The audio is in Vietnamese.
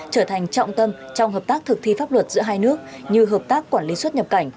trở thành trọng tâm trong hợp tác thực thi pháp luật giữa hai nước như hợp tác quản lý xuất nhập cảnh